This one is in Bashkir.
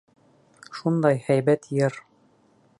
Шундай һәйбәт йыр.